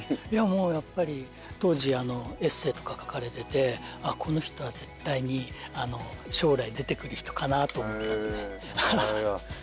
やっぱり当時エッセーとか書かれててこの人は絶対に将来出てくる人かなと思ったので。